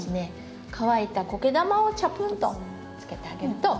乾いたコケ玉をちゃぷんと浸けてあげると。